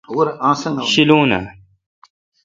شیلون اں۔